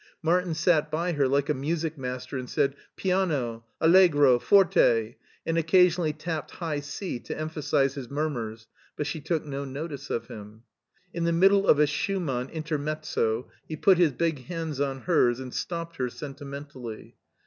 Martin sat by her like a music master and said, "Piano!" "AUegro!" "Forte!" and occasionally tapped high C to emphasize his mur murs, but she took no notice of him. In the middle of a Schumann intermezzo he put his big hands on hers and stopped her sentimen tally.